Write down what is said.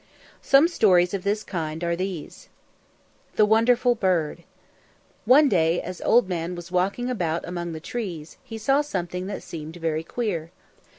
Some stories of this kind are these: THE WONDERFUL BIRD One day, as Old Man was walking about among the trees, he saw something that seemed very queer.